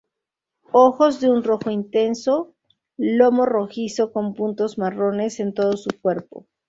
Ojos de un rojo intenso, lomo rojizo con puntos marrones en todo su cuerpo.